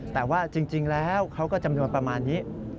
แต่ว่าจริงแล้วเขาก็จำนวนประมาณนี้